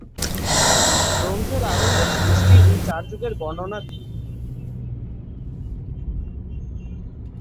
গ্রন্থের আরম্ভ সৃষ্টি ও চার যুগের বর্ণনা দিয়ে।